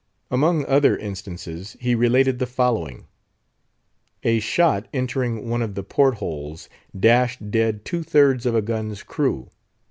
Among other instances, he related the following. A shot entering one of the port holes, dashed dead two thirds of a gun's crew.